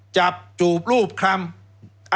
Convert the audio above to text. จับจูบรูปคลำ